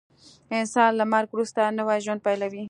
انسان له مرګ وروسته نوی ژوند پیلوي